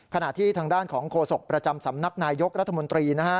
ขณะที่ทางด้านของโฆษกประจำสำนักนายยกรัฐมนตรีนะฮะ